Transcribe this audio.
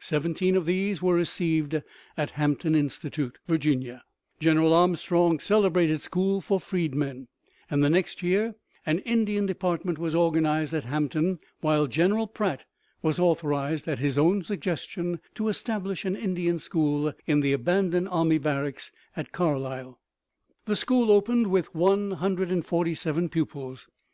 Seventeen of these were received at Hampton Institute, Virginia, General Armstrong's celebrated school for freedmen, and the next year an Indian department was organized at Hampton, while General Pratt was authorized, at his own suggestion, to establish an Indian school in the abandoned army barracks at Carlisle. The school opened with 147 pupils.